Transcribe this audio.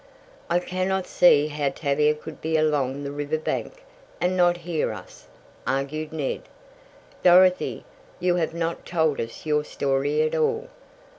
"I cannot see how Tavia could be along the river bank and not hear us," argued Ned. "Dorothy, you have not told us your story at all.